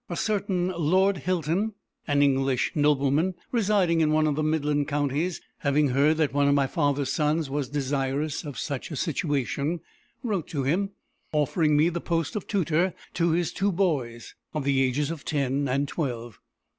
A certain Lord Hilton, an English nobleman, residing in one of the midland counties, having heard that one of my father's sons was desirous of such a situation, wrote to him, offering me the post of tutor to his two boys, of the ages of ten and twelve.